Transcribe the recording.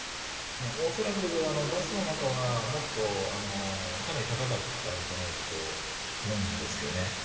恐らくバスの中はもっとかなり高かったんじゃないかと思うんですよね。